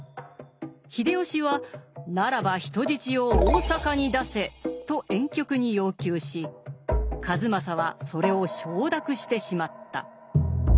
秀吉は「ならば人質を大坂に出せ」と婉曲に要求し数正はそれを承諾してしまった。